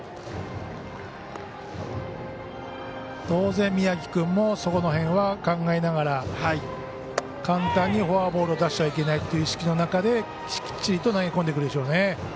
当然、宮城君もそこら辺は考えながら簡単にフォアボールを出していけないという意識の中できっちりと投げ込んでくるでしょうね。